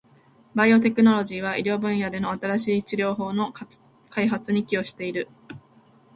バイオテクノロジーは、医療分野での新しい治療法の開発に寄与している。